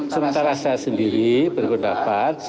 sementara saya sendiri berpendapat